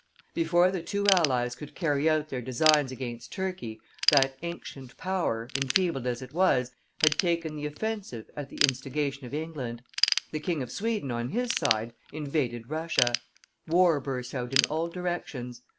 Before the two allies could carry out their designs against Turkey, that ancient power, enfeebled as it was, had taken the offensive at the instigation of England; the King of Sweden, on his side, invaded Russia; war burst out in all directions.